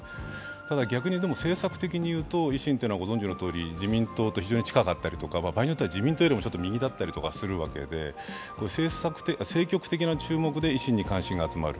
ただ逆に政策的に言うと、維新っていうのはご存知のとおり、自民党と非常に近かったりとか、場合によっては自民党よりちょっと右だったりするわけで、政局的な注目で維新に注目が集まる。